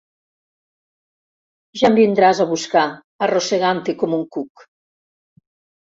Ja em vindràs a buscar arrossegant-te com un cuc.